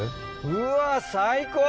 うわ最高！